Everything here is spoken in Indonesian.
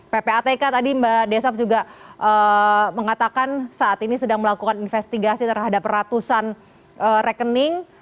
ppatk tadi mbak desaf juga mengatakan saat ini sedang melakukan investigasi terhadap ratusan rekening